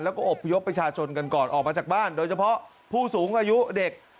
แล้วก็อบพยพประชาชนกันก่อนออกมาจากบ้านโดยเฉพาะผู้สูงอายุเด็ก